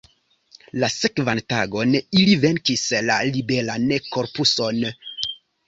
La sekvan tagon ili venkis la liberan korpuson.